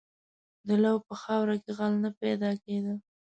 • د لو په خاوره کې غل نه پیدا کېده.